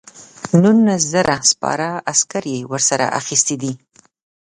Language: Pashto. نولس زره سپاره عسکر یې ورسره اخیستي دي.